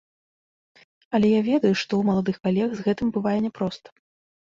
Але я ведаю, што ў маладых калег з гэтым бывае няпроста.